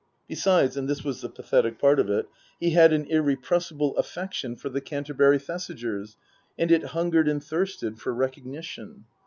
Besides and this was the pathetic part of it he had an irrepressible affection for the Canterbury Thesigers, and it hungered and thirsted for recognition.